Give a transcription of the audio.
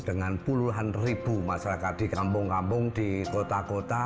dengan puluhan ribu masyarakat di kampung kampung di kota kota